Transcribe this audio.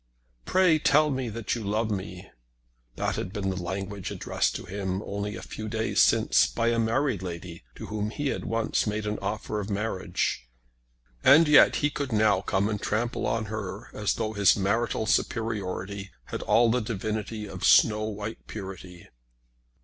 "Pray tell me that you love me!" That had been the language addressed to him only a few days since by a married lady to whom he had once made an offer of marriage; and yet he could now come and trample on her as though his marital superiority had all the divinity of snow white purity.